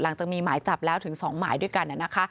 หลังจากมีหมายจับแล้วถึง๒หมายด้วยกัน